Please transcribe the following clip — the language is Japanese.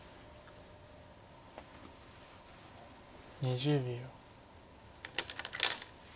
２０秒。